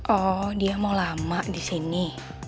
oh dia mau lama disini